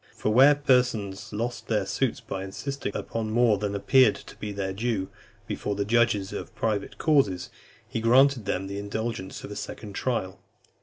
For where persons lost their suits by insisting upon more than appeared to be their due, before the judges of private causes, he granted them the indulgence of a second trial.